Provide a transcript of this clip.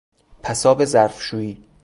پساب ظرفشوئی